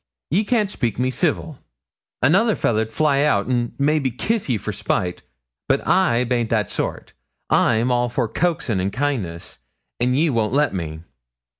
Ye can't speak me civil. Another fellah'd fly out, an' maybe kiss ye for spite; but I baint that sort, I'm all for coaxin' and kindness, an' ye won't let me.